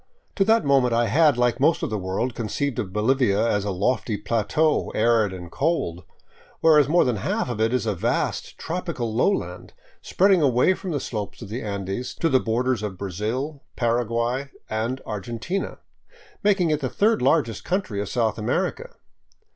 To that moment I had, like most of the world, conceived of Bolivia as a lofty plateau, arid and cold ; whereas more than half of it is a vast, tropical lowland, spreading away from the slopes of the Andes to the borders of Brazil, Paraguay, and Argentina, making it the third largest country of South America.